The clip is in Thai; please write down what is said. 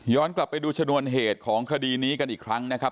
กลับไปดูชนวนเหตุของคดีนี้กันอีกครั้งนะครับ